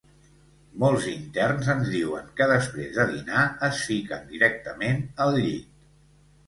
Molts interns ens diuen que després de dinar es fiquen directament al llit.